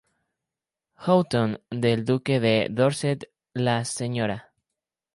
Houghton del duque de Dorset, la Sra.